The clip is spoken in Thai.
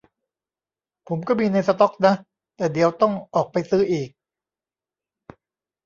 ผมก็มีในสต็อกนะ แต่เดี๋ยวต้องออกไปซื้ออีก